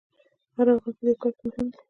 هر افغان په دې کار کې مهم دی.